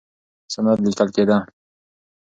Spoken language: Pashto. سند لیکل کېده.